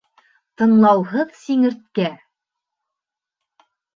ТЫҢЛАУҺЫҘ СИҢЕРТКӘ